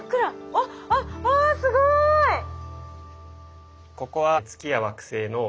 あっあっあすごい！へえ。